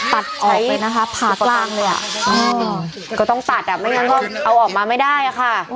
ตัดออกไปนะคะผ่ากลางเลยอ่ะก็ต้องตัดอ่ะไม่งั้นก็เอาออกมาไม่ได้อะค่ะ